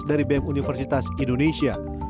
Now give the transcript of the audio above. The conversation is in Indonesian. dari bm universitas indonesia